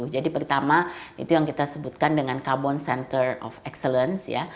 jadi pertama itu yang kita sebutkan dengan carbon center of excellence